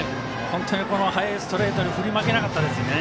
本当に速いストレートに振り負けなかったですね。